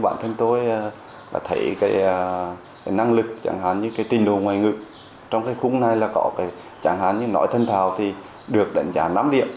năng lực chẳng hạn như tình đồ ngoài ngữ trong khung này có chẳng hạn như nói thân thào thì được đánh giá năm điểm